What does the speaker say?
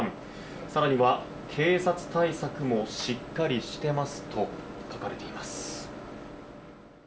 更には、警察対策もしっかりしてますと書かれています。